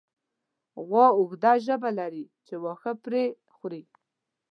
غوا اوږده ژبه لري چې واښه پرې خوري.